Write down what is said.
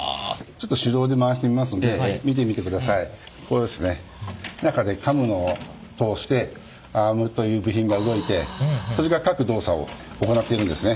これですね中でカムの通してアームという部品が動いてそれが各動作を行っているんですね。